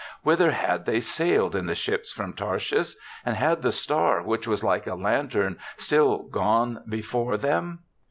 Whither had they sailed in the ships from Tar shish, and had the star, which was like a lantern, still gone before them?